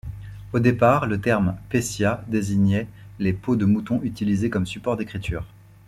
Au départ, le terme Pecia désignait les peaux de moutons utilisées comme support d’écriture.